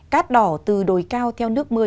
cát đỏ từ đồi cao theo nước mưa